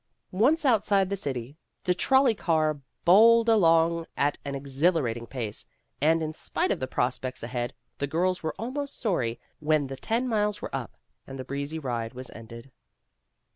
Once outside the city, the trolley car bowled along at an ex hilarating pace, and in spite of the prospects ahead, the girls were almost sorry when the ten miles were up, and the breezy ride was ended.